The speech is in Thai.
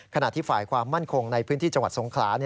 ขณะที่ฝ่ายความมั่นคงในพื้นที่จังหวัดสงขลา